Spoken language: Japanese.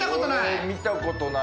見たことない。